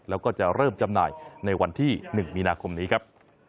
แล้วก็จะเริ่มจำหน่ายในวันที่๑มีนาคมนี้ครับ